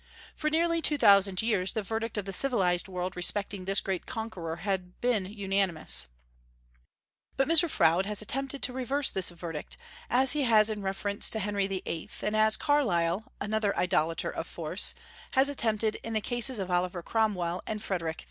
For nearly two thousand years the verdict of the civilized world respecting this great conqueror has been unanimous. But Mr. Froude has attempted to reverse this verdict, as he has in reference to Henry VIII., and as Carlyle another idolater of force has attempted in the cases of Oliver Cromwell and Frederick II.